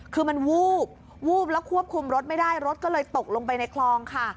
คือมันวูบวูบแล้วควบคุมรถไม่ได้รถก็เลยตกลงไปในคลองค่ะ